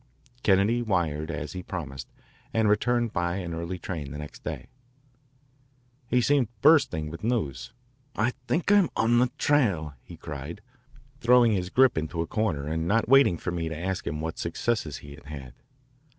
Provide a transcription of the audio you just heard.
Kennedy wired as he promised and returned by an early train the next day. He seemed bursting with news. "I think I'm on the trail," he cried, throwing his grip into a corner and not waiting for me to ask him what success he had had.